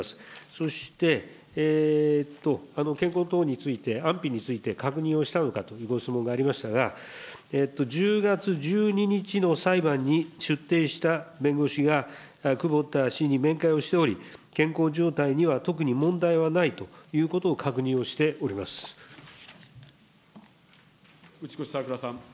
そして健康等について、安否について、確認をしたのかというご質問がありましたが、１０月１２日の裁判に出廷した弁護士が、久保田氏に面会をしており、健康状態には特に問題はないということを打越さく良さん。